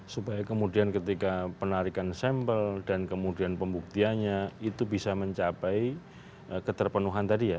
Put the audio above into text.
supaya kemudian ketika penarikan sampel dan kemudian pembuktiannya itu bisa mencapai keterpenuhan tadi ya